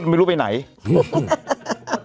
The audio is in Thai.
พุทธไม่รู้ไปไหนตอนเนี้ยแต่ผมยังอยู่